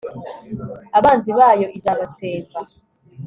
abanzi bayo izabatsemba